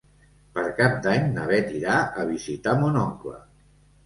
Per Cap d'Any na Bet irà a visitar mon oncle.